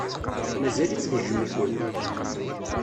Mazal-itt tejjem-ikent.